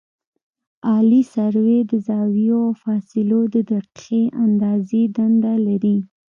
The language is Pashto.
عالي سروې د زاویو او فاصلو د دقیقې اندازې دنده لري